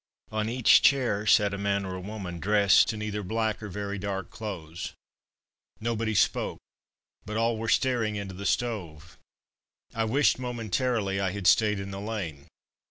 On each chair sat a man or a woman, dressed in either black or very dark clothes. Nobody spoke, but all were staring into the stove. I wished, momentarily, I had stayed in the lane.